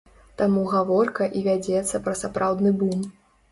Таму гаворка і вядзецца пра сапраўдны бум.